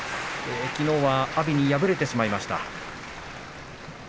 きのうは阿炎に敗れてしまいました。